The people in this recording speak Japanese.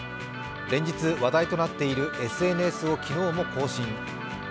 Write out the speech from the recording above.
連日話題となっているＳＮＳを昨日も更新。